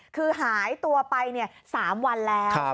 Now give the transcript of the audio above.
คือหายตัวไป๓วันแล้ว